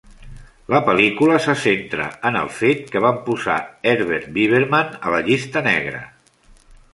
La pel·lícula se centra en el fet que van posar Herbert Biberman a la llista negra.